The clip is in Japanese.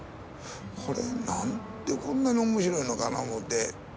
これなんでこんなに面白いのかな思って。